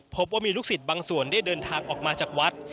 พบว่ามีลูกศิษย์บางส่วนได้เดินทางออกมาจากวัด